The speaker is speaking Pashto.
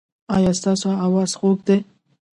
ایا ستاسو اواز خوږ دی؟